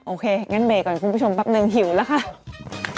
โอเคอย่างนั้นเบก่อนพี่ชมพักหนึ่งหิวแล้วค่ะ